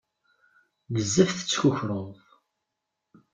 Bezzaf tettkukruḍ.